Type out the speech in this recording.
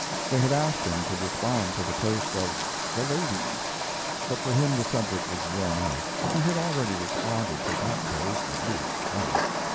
They had asked him to respond to the toast of "The Ladies," but for him the subject was worn out. He had already responded to that toast at least twice.